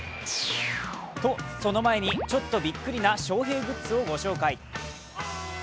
とその前に、ちょっとびっくりな翔平グッズを紹介。